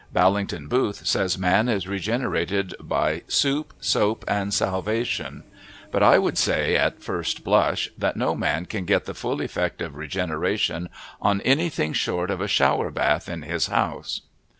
Ballington Booth says man is regenerated by soup, soap, and salvation. But I would say, at first blush, that no man can get the full effect of regeneration on anything short of a shower bath in his house.